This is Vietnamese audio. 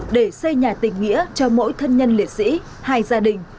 để xây nhà tình nghĩa cho mỗi thân nhân liệt sĩ hai gia đình